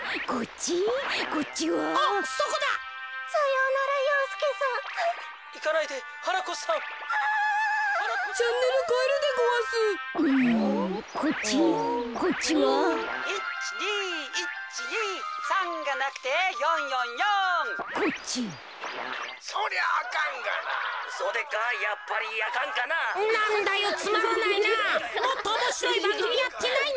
もっとおもしろいばんぐみやってないのかよ。